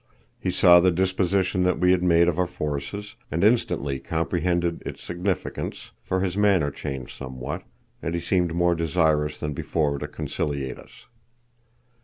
He saw the disposition that we had made of our forces, and instantly comprehended its significance, for his manner changed somewhat, and he seemed more desirous than before to conciliate us.